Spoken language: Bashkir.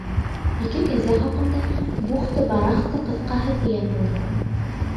Ике кәзә хаҡында, бухта-барахта, ҡыҫҡаһы, -тигән булдым.